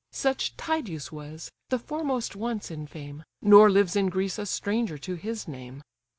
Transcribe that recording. Such Tydeus was, the foremost once in fame! Nor lives in Greece a stranger to his name.